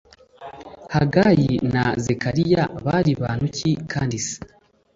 hagayi na zekariya bari bantu ki kandi se